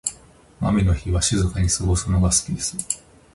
雨の日は静かに過ごすのが好きです。